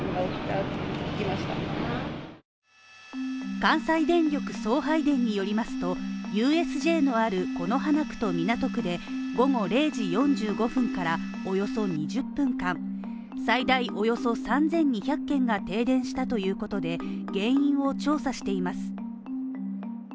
関西電力送配電によりますと、ＵＳＪのある此花区と港区で午後０時４５分からおよそ２０分間、最大およそ３２００軒が停電したということで、原因を調査しています。